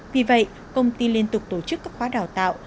vì vậy công ty liên tục tổ chức các khóa đào tạo